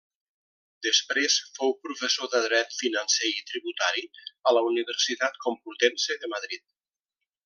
Després fou professor de dret financer i tributari a la Universitat Complutense de Madrid.